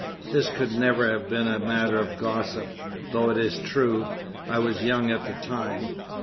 This could never have been a matter of gossip though it is true I was young at the time."